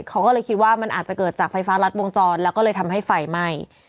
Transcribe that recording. เขาก็เลยคิดว่ามันอาจจะเกิดจากไฟฟ้ารัดวงจรแล้วก็เลยทำให้ไฟไหม้